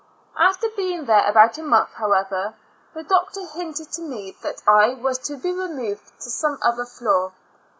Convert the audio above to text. After being there about a month, however^ the doctor hinted to rae that I was to be removed to some other floor.